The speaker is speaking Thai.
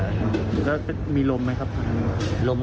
แล้วมีลมไหมครับท่าน